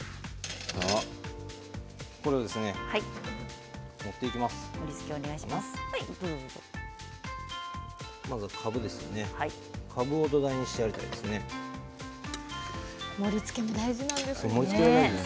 これを盛りつけていきます。